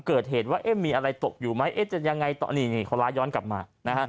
เกิดเหตุว่ามีอะไรตกอยู่ไหมจะยังไงต่อหนีเค้าร้ายย้อนกลับมา